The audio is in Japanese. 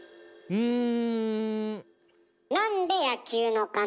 うん。